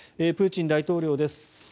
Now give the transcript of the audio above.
プーチン大統領です。